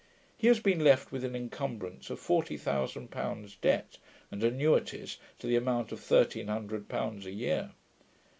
He has been left with an incumbrance of forty thousand pounds debt, and annuities to the amount of thirteen hundred pounds a year.